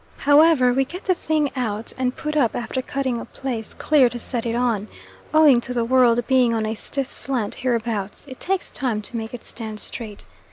However, we get the thing out and put up after cutting a place clear to set it on; owing to the world being on a stiff slant hereabouts, it takes time to make it stand straight.